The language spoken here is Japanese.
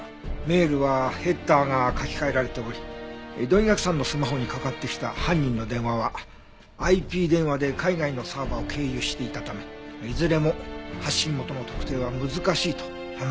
メールはヘッダーが書き換えられており土居垣さんのスマホにかかってきた犯人の電話はＩＰ電話で海外のサーバーを経由していたためいずれも発信元の特定は難しいと判明しました。